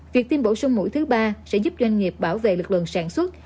việc tiêm bổ sung mũi thứ ba sẽ giúp doanh nghiệp bảo vệ lực lượng sản xuất